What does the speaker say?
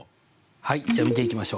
はいじゃあ見ていきましょう。